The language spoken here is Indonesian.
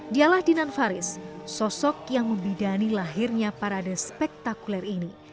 dialah dinan faris sosok yang membidani lahirnya parade spektakuler ini